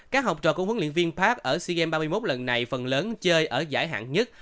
các học trò của huấn luyện viên park ở sea games ba mươi một lần này phần lớn chơi ở giải hạng nhất